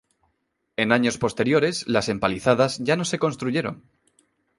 En años posteriores, las empalizadas ya no se construyeron.